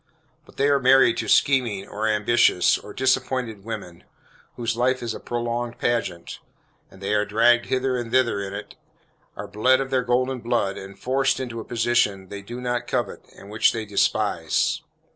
But they are married to scheming, or ambitious, or disappointed women, whose life is a prolonged pageant, and they are dragged hither and thither in it, are bled of their golden blood, and forced into a position they do not covet and which they despise.